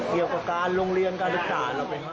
เกี่ยวกับการโรงเรียนการรักษา